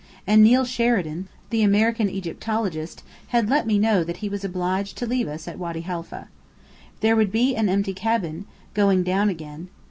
And Neill Sheridan, the American Egyptologist, had let me know that he was obliged to leave us at Wady Haifa. There would be an empty cabin, going down again.